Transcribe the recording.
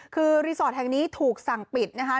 คือรีสอร์ทแห่งนี้ถูกสั่งปิดนะคะ